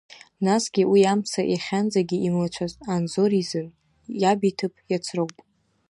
Насгьы уи амца иахьанӡагьы имыцәацт Анзор изын, иабиҭыԥ иацроуп.